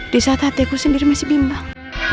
disaat hati aku sendiri masih bimbang